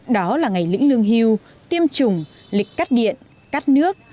đó là ngày lĩnh lương hưu tiêm chủng lịch cắt điện cắt nước